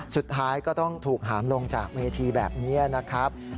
สุดท้ายก็ต้องถูกหามลงจากเวทีแบบนี้นะครับ